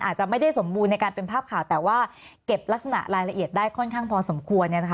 อาจจะไม่ได้สมบูรณ์ในการเป็นภาพข่าวแต่ว่าเก็บลักษณะรายละเอียดได้ค่อนข้างพอสมควร